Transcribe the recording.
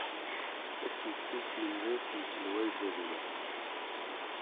Asmekti n tmenɣiwt n uselway Buḍyaf.